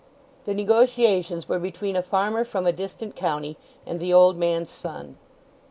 The negotiations were between a farmer from a distant county and the old man's son.